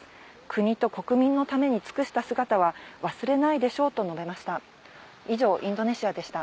国と国民のために尽くした姿は忘れないでしょうと述べました。